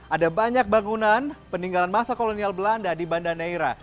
ada banyak bangunan peninggalan masa kolonial belanda di banda neira